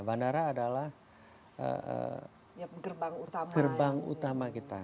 bandara adalah gerbang utama kita